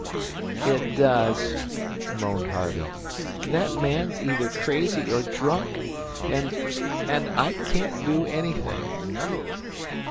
"It does," moaned Harvey. "That man's either crazy or drunk, and and I can't do anything."